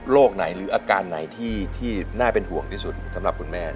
ไหนหรืออาการไหนที่น่าเป็นห่วงที่สุดสำหรับคุณแม่